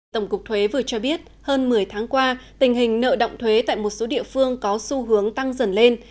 tổng cục thuế vừa cho biết hơn một mươi tháng qua tình hình nợ động thuế tại một số địa phương có xu hướng tăng dần lên